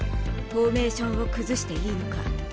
フォーメーションを崩していいのか？